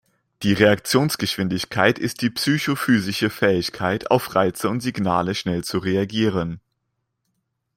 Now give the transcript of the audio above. Die Reaktionsgeschwindigkeit ist die psychophysische Fähigkeit, auf Reize und Signale schnell zu reagieren.